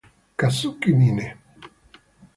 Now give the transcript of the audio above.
Kazuki Mine